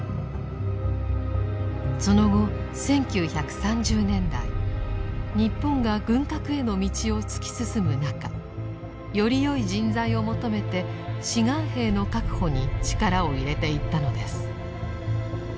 その後１９３０年代日本が軍拡への道を突き進む中よりよい人材を求めて「志願兵」の確保に力を入れていったのです。